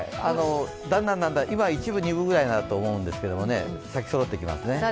だんだん今、一分、二分くらいだと思いますけど咲きそろってきますね。